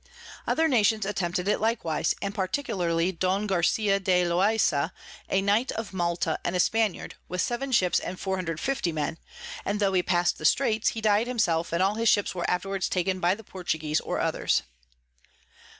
Other Nations attempted it likewise, and particularly Don Garcia de Loaisa, a Knight of Malta and a Spaniard, with seven Ships and 450 Men; and tho he pass'd the Straits, he died himself, and all his Ships were afterwards taken by the Portuguese or others.